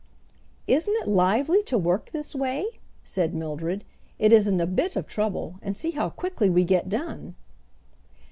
"Isn't it lively to work this way?" said Mildred. "It isn't a bit of trouble, and see how quickly we get done."